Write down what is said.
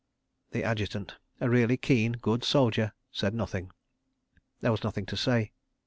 ..." The Adjutant, a really keen, good soldier, said nothing. There was nothing to say.